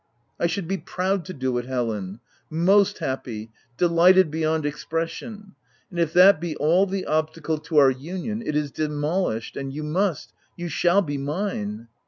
*'* I should be proud to do it Helen !— most happy — delighted beyond expression !— and if that be all the obstacle to our union, it is de molished, and you must — you shall be mine